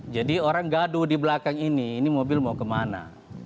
jadi orang gaduh di belakang ini ini mobil mau kemana